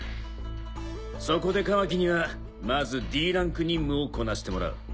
そこでカワキにはまずＤランク任務をこなしてもらう。